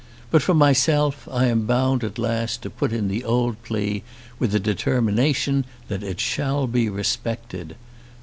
But for myself, I am bound at last to put in the old plea with a determination that it shall be respected.